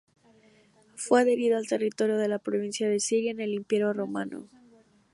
Fue adherida al territorio de la provincia de Siria en el Imperio romano.